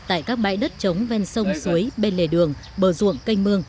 tại các bãi đất chống ven sông suối bên lề đường bờ ruộng cây mương